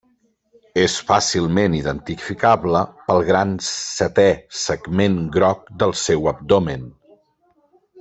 És fàcilment identificable pel gran setè segment groc del seu abdomen.